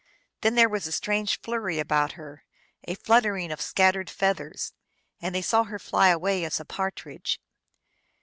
Then there was a strange flurry about her, a fluttering of scattered feathers, and they saw her fly away as a partridge.